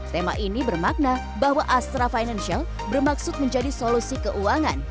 tema ini bermakna bahwa astra financial bermaksud menjadi solusi keuangan